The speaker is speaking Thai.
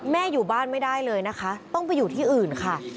อยู่บ้านไม่ได้เลยนะคะต้องไปอยู่ที่อื่นค่ะ